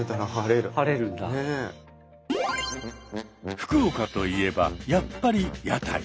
福岡といえばやっぱり屋台。